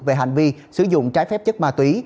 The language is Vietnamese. về hành vi sử dụng trái phép chất ma túy